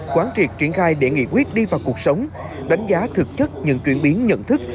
quán triệt triển khai để nghị quyết đi vào cuộc sống đánh giá thực chất những chuyển biến nhận thức